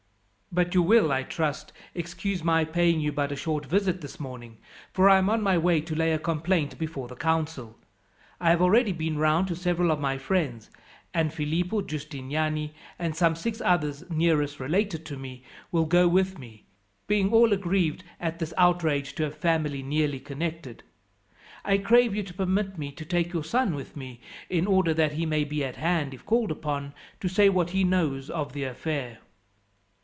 "But you will, I trust, excuse my paying you but a short visit this morning, for I am on my way to lay a complaint before the council. I have already been round to several of my friends, and Phillipo Giustiniani and some six others, nearest related to me, will go with me, being all aggrieved at this outrage to a family nearly connected. I crave you to permit me to take your son with me, in order that he may be at hand, if called upon, to say what he knows of the affair."